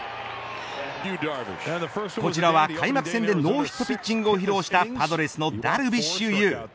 こちらは開幕戦でノーヒットピッチングを披露したパドレスのダルビッシュ有。